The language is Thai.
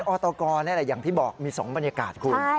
อตกรนี่แหละอย่างที่บอกมี๒บรรยากาศคุณ